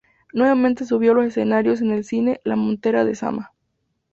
Nuevamente subió a los escenarios en el cine "La Montera de Sama".